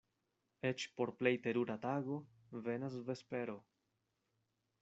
Eĉ por plej terura tago venas vespero.